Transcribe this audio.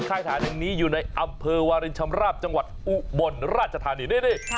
ค่ายทหารอย่างนี้อยู่ในอำเภอวาลิชมราบจังหวัดอุบลราชธานิด